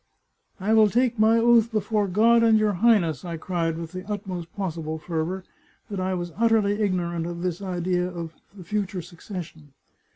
'"' I will take my oath before God and your Highness,* I cried with the utmost possible fervour, ' that I was utterly ignorant of the idea of the " future succession."